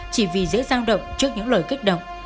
chỉ vì dễ giao động trước những lời kích động